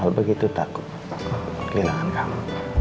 al begitu takut kelilangan kamu